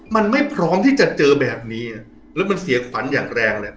มันไม่พร้อมที่จะเจอแบบนี้แล้วมันเสียขวัญอย่างแรงเลย